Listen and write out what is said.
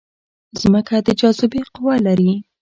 ځمکه د جاذبې قوه لري